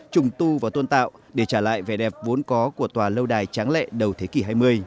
trùng tu và tôn tạo để trả lại vẻ đẹp vốn có của tòa lâu đài tráng lệ đầu thế kỷ hai mươi